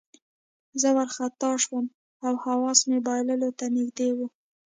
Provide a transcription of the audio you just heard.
زه وارخطا شوم او حواس مې بایللو ته نږدې وو